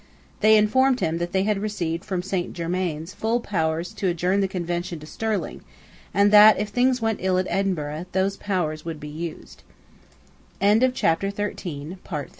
They informed him that they had received from Saint Germains full powers to adjourn the Convention to Stirling, and that, if things went ill at Edinburgh, those powers would be used, At length t